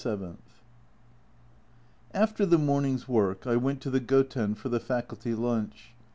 November 27. After the morning's work, I went to the Goten for the Faculty lunch.